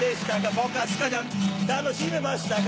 ポカスカジャン楽しめましたか